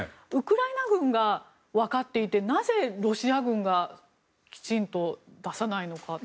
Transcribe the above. ウクライナ軍がわかっていてなぜ、ロシア軍がきちんと出さないのか。